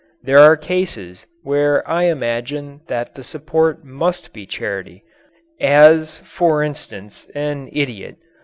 There are cases where I imagine that the support must be by charity as, for instance, an idiot.